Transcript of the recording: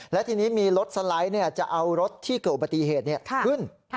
และทีนี้มีรถสไลด์จะเอารถที่เกิดอุบัติเหตุขึ้น